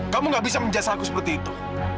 kamu gak bisa menjasa aku seperti itu